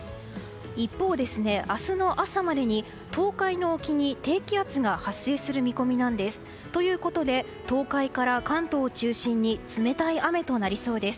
一方、明日の朝までに東海の沖に低気圧が発生する見込みなんです。ということで東海から関東を中心に冷たい雨となりそうです。